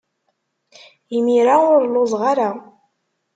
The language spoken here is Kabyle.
Imir-a ur lluẓeɣ ara.